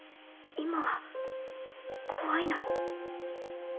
今は怖いの。